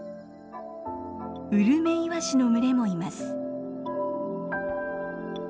ウルメイワシの群れもいます。